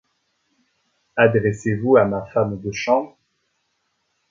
Adressez-vous à ma femme de chambre ?